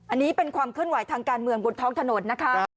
อันนี้เป็นความเคลื่อนไหวทางการเมืองบนท้องถนนนะคะ